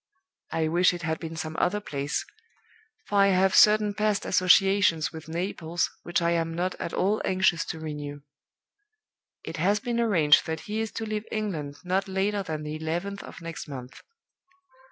I wish it had been some other place, for I have certain past associations with Naples which I am not at all anxious to renew. It has been arranged that he is to leave England not later than the eleventh of next month.